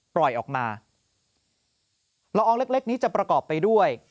ปล่อยออกมาละอองเล็กเล็กนี้จะประกอบไปด้วย